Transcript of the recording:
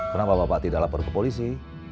kenapa bapak tidak lapor ke polisi